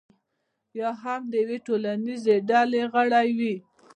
یا هم د یوې ټولنیزې ډلې غړی وي.